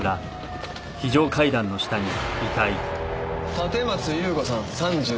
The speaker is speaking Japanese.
立松雄吾さん３３歳。